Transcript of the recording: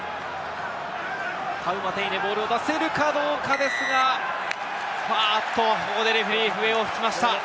タウマテイネ、ボールを出せるかどうかですが、ここでレフェリー、笛を吹きました。